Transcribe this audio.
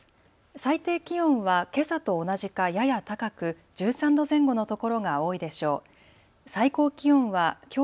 最低気温はけさと同じかやや高く１３度前後の所が多いでしょう。